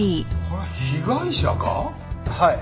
はい。